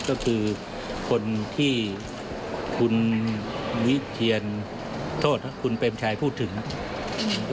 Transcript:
ก็คือคนที่คุณวิเทียนโทษครับคุณเปรมชัยพูดถึงครับ